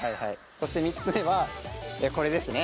そして３つ目はこれですね。